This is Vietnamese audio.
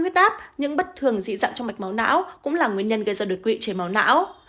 huyết áp nhưng bất thường dị dạng trong mạch máu não cũng là nguyên nhân gây ra đột quỵ chảy máu não